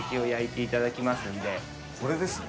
これですね。